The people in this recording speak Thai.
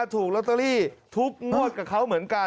ถูกลอตเตอรี่ทุกงวดกับเขาเหมือนกัน